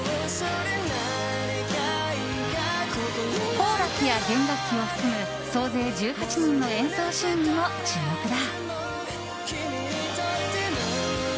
コーラスや弦楽器を含む総勢１８人の演奏シーンにも注目だ。